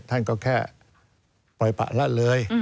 ท่านก็แค่ปล่อยปะลั่นเลย